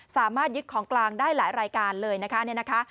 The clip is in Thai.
สามารถยึดของกลางได้หลายรายการเลยนะคะ